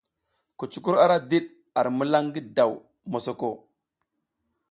Kucukur ara diɗ ar milan ngi daw mosoko.